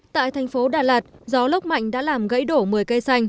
tại thành phố đà lạt gió lốc mạnh đã làm gãy đổ một mươi cây xanh